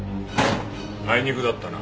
あいにくだったな。